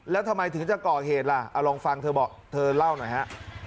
แล้วทำไมถึงจะก่อเหตุล่ะเอาลองฟังเธอบอกเธอเล่าหน่อยฮะ